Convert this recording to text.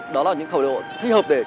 đó là những khẩu độ thích hợp để